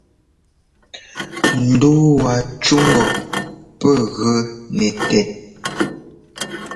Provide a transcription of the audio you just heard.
Ndu waa cú ŋgɔ pɛ́ gʉ nɛ tɛt.